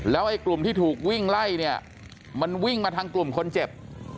ไอ้กลุ่มที่ถูกวิ่งไล่เนี่ยมันวิ่งมาทางกลุ่มคนเจ็บ